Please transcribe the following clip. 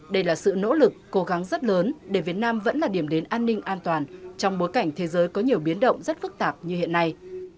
đây là sự nỗ lực cố gắng rất lớn để việt nam vẫn là điểm đến an ninh an toàn trong bối cảnh thế giới có nhiều biến động rất phức tạp như hiện nay